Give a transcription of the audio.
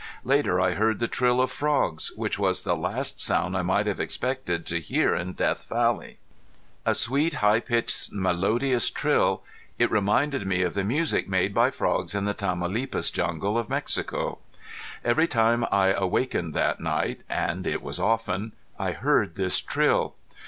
Later I heard the trill of frogs, which was the last sound I might have expected to hear in Death Valley. A sweet high pitched melodious trill it reminded me of the music made by frogs in the Tamaulipas Jungle of Mexico. Every time I awakened that night, and it was often, I heard this trill.